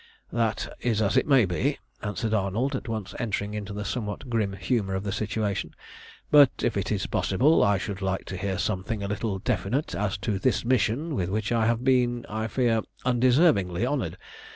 "That is as it may be," answered Arnold, at once entering into the somewhat grim humour of the situation. "But if it is possible I should like to hear something a little definite as to this mission with which I have been, I fear, undeservingly honoured.